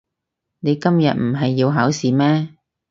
你今日唔係要考試咩？